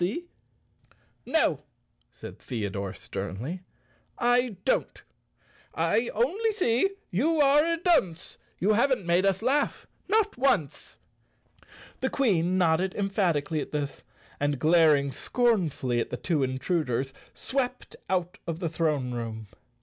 90 Chapter Seven "No," said Theodore, sternly, "I don't, " I only see you are a dunce; You haven't made us laugh, not once! " The Queen nodded emphatically at this and, glaring scornfully at the two intruders, swept out of the throne room.